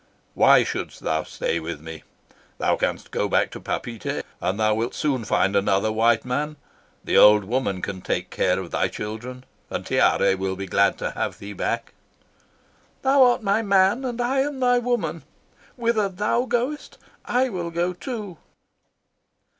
"Why shouldst thou stay with me? Thou canst go back to Papeete, and thou wilt soon find another white man. The old woman can take care of thy children, and Tiare will be glad to have thee back." "Thou art my man and I am thy woman. Whither thou goest I will go, too."